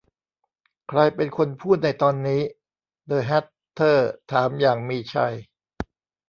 'ใครเป็นคนพูดในตอนนี้ ? ' เดอะแฮทเทอร์ถามอย่างมีชัย